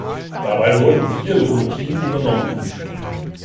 Dabei wurden vier Lokomotiven übernommen.